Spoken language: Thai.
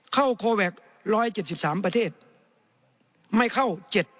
โคแวค๑๗๓ประเทศไม่เข้า๗